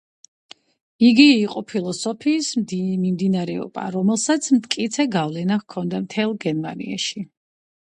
იგი იყო ფილოსოფიის მიმდინარეობა, რომელსაც მტკიცე გავლენა ჰქონდა მთელს გერმანიაში.